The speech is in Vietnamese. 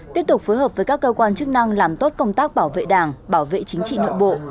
tiếp tục phối hợp với các cơ quan chức năng làm tốt công tác bảo vệ đảng bảo vệ chính trị nội bộ